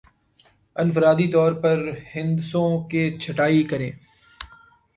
انفرادی طور پر ہندسوں کی چھٹائی کریں